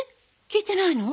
聞いてないの？